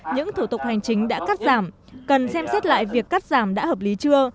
những thủ tục hành chính đã cắt giảm cần xem xét lại việc cắt giảm đã hợp lý chưa